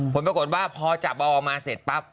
ผลปรากฏว่าพอจับเอาออกมาเสร็จปั๊บ